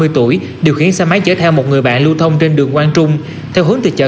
ba mươi tuổi điều khiển xe máy chở theo một người bạn lưu thông trên đường quang trung theo hướng từ chợ